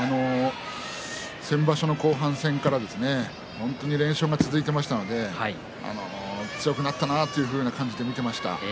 先場所の後半戦から本当に連勝が続いていましたので強くなったなという感じで見ていました。